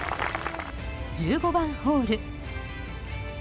１５番ホール。